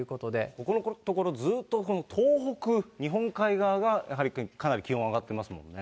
ここのところずっと東北、日本海側がやはりかなり気温、上がってますもんね。